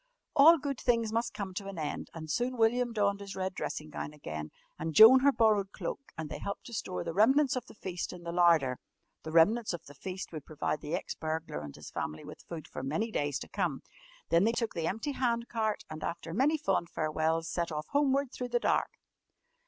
All good things must come to an end, and soon William donned his red dressing gown again and Joan her borrowed cloak, and they helped to store the remnants of the feast in the larder the remnants of the feast would provide the ex burglar and his family with food for many days to come. Then they took the empty hand cart and, after many fond farewells, set off homeward through the dark.